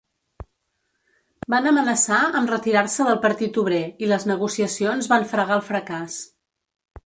Van amenaçar amb retirar-se del Partit Obrer, i les negociacions van fregar el fracàs.